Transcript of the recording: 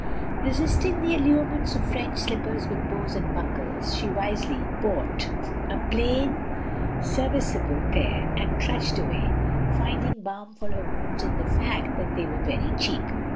Resisting the allurements of French slippers with bows and buckles, she wisely bought a plain, serviceable pair, and trudged away, finding balm for her wounds in the fact that they were very cheap.